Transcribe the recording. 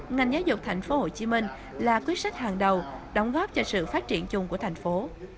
ngành giáo dục thành phố hồ chí minh là quyết sách hàng đầu đóng góp cho sự phát triển chung của thành phố